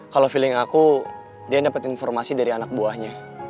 kalo feeling aku deyan dapet informasi dari anak buahnya